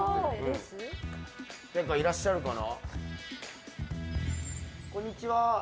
誰かいらっしゃるかな？